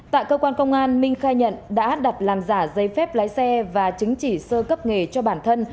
tại cơ quan công an minh khai nhận đã đặt làm giả giấy phép lái xe và chứng chỉ sơ cấp nghề cho bản thân